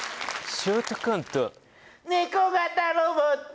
ショートコント。